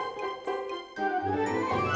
sampai jumpa lagi